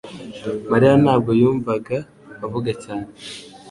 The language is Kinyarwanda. mariya ntabwo yumvaga avuga cyane